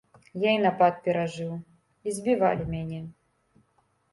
Я і напад перажыў, і збівалі мяне.